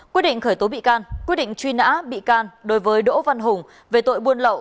quyết định khởi tố bị can quyết định truy nã bị can đối với đỗ văn hùng về tội buôn lậu